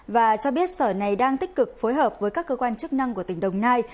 và cho biết sở này đang tích cực phối hợp với các cơ quan chức năng của tỉnh đồng nai